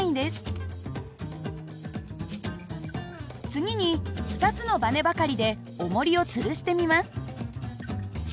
次に２つのばねばかりでおもりをつるしてみます。